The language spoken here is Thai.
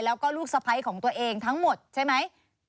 แล้วก็ลูกสะพ้ายของตัวเองทั้งหมดใช่ไหม